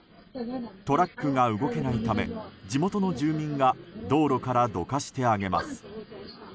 トラックが動けないため地元の住民が道路からどかしてあげます。